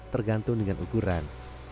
tergantung dengan ukuran